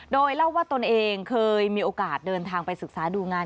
โดยเล่าว่าตนเองเคยมีโอกาสเดินทางไปศึกษาดูงาน